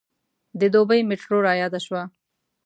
د دبۍ میټرو رایاده شوه.